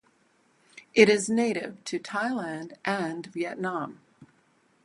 It is native to Thailand and Vietnam.